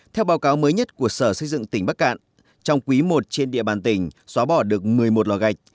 theo báo cáo mới nhất của sở xây dựng tỉnh bắc cạn trong quý i trên địa bàn tỉnh xóa bỏ được một mươi một lò gạch